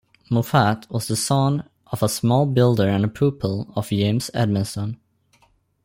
Moffatt was the son of a small builder and pupil of James Edmeston.